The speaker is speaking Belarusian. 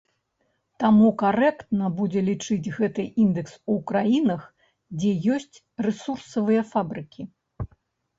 Таму карэктна будзе лічыць гэты індэкс у краінах, дзе ёсць рэсурсавыя фабрыкі.